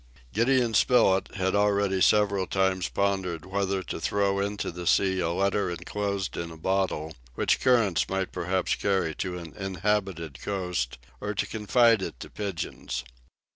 Gideon Spilett had already several times pondered whether to throw into the sea a letter enclosed in a bottle, which currents might perhaps carry to an inhabited coast, or to confide it to pigeons.